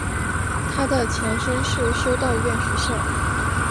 它的前身是修道院学校。